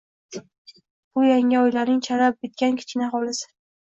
Bu yangi oilaning chala bitgan kichkina hovlisi.